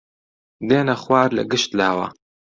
دێنە خوار لە گشت لاوە